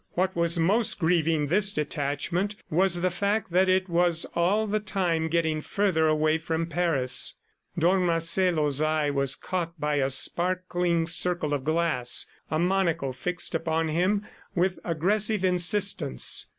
What was most grieving this detachment was the fact that it was all the time getting further away from Paris. Don Marcelo's eye was caught by a sparkling circle of glass, a monocle fixed upon him with aggressive insistence.